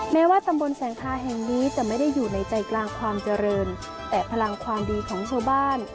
แม้ว่าตำบลแสงทาแห่งนี้จะไม่ได้อยู่ในใจกลางความเจริญแต่พลังความดีของชาวบ้าน